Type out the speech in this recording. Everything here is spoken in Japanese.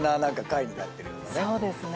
そうですね。